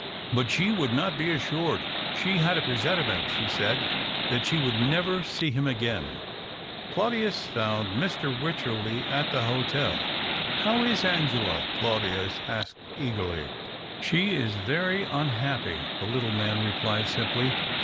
But she would not be assured. She had a presentiment, she said, that she would never see him again. Claudius found Mr. Wycherley at the hotel. " How is Angela ?" Claudius asked eagerly. " She is very unhappy," the little man replied simply.